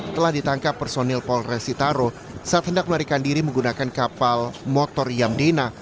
telah ditangkap personil polres sitaro saat hendak melarikan diri menggunakan kapal motor yamdina